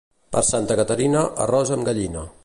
Per Santa Caterina, arròs amb gallina.